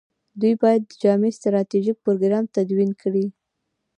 دوی باید جامع ستراتیژیک پروګرام تدوین کړي.